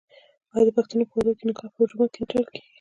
آیا د پښتنو په واده کې نکاح په جومات کې نه تړل کیږي؟